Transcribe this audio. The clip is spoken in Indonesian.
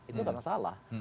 itu sudah masalah